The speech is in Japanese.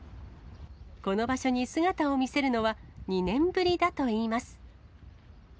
この場所に姿を見せるのは、２年ぶりだといいます。